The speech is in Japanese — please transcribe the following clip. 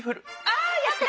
ああやった！